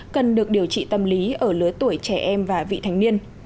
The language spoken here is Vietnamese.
cần được điều trị tâm lý ở lứa tuổi trẻ em và vị thành niên